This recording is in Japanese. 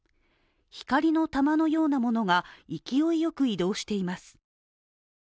光の球のようなものが勢いよく移動しています。